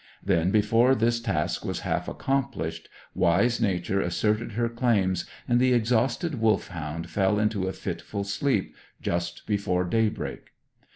Then, before this task was half accomplished, wise Nature asserted her claims, and the exhausted Wolfhound fell into a fitful sleep just before daybreak.